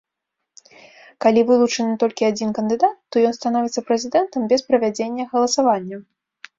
Калі вылучаны толькі адзін кандыдат, то ён становіцца прэзідэнтам без правядзення галасавання.